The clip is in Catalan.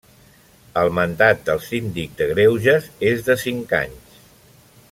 El mandat del Síndic de Greuges és de cinc anys.